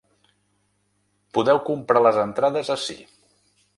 Podeu comprar les entrades ací.